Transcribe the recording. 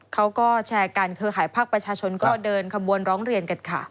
เขาก็แชร์กันเครือข่ายภาคประชาชนก็เดินขบวนร้องเรียนกันค่ะ